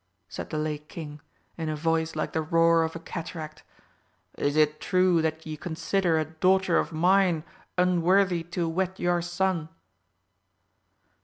said the Lake King, in a voice like the roar of a cataract, "is it true that ye consider a daughter of mine unworthy to wed your son?"